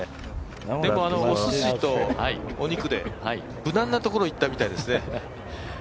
でもおすしとお肉で無難なところいったみたいですね